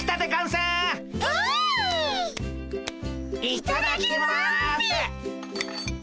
いただきます。